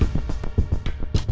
smoker bisa deh